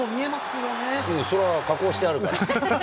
うん、それは加工してあるから。